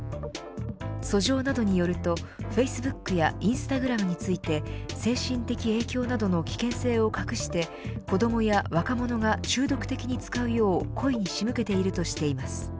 訴状などによるとフェイスブックやインスタグラムについて精神的影響などの危険性を隠して子どもや若者が中毒的に使うよう故意に仕向けているとしています。